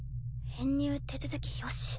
編入手続きよし。